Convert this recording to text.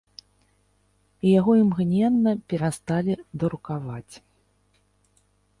І яго імгненна перасталі друкаваць.